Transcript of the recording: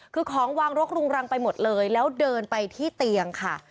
คือของวางรกรุงรังไปหมดเลยแล้วเดินไปที่เตียงค่ะ